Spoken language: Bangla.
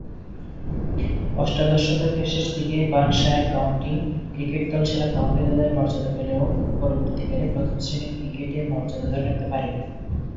অষ্টাদশ শতকের শেষদিকে বার্কশায়ার কাউন্টি ক্রিকেট দল সেরা কাউন্টি দলের মর্যাদা পেলেও পরবর্তীকালে প্রথম-শ্রেণীর ক্রিকেটে মর্যাদা ধরে রাখতে পারেনি।